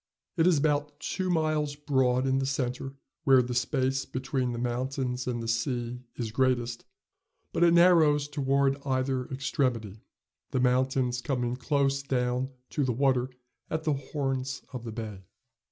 It is about two miles broad in the centre, where the space between the mountains and the sea is greatest, but it narrows toward either extremity, the mountains coming close clown to the water at the horns of the bay.